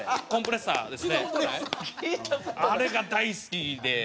あれが大好きで。